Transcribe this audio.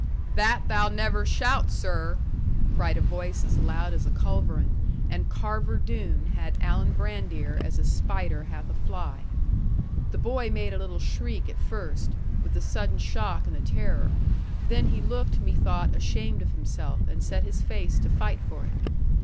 '"That thou never shalt, sir," cried a voice as loud as a culverin; and Carver Doone had Alan Brandir as a spider hath a fly. The boy made a little shriek at first, with the sudden shock and the terror; then he looked, methought, ashamed of himself, and set his face to fight for it.